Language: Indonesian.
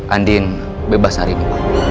andien bebas hari ini